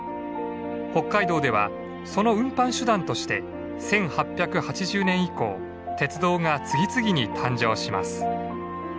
北海道ではその運搬手段として１８８０年以降鉄道が次々に誕生します。